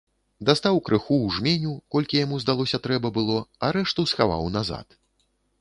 Дастаў крыху ў жменю, колькі яму здалося трэба было, а рэшту схаваў назад.